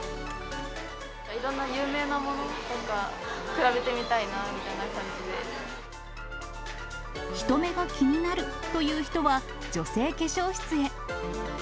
いろんな有名なものとか、人目が気になるという人は、女性化粧室へ。